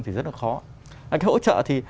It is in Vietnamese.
thì rất là khó cái hỗ trợ thì